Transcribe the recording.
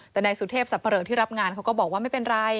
แต่นายสุเทพสับปะเริงที่รับงานเขาก็บอกว่าไม่เป็นไร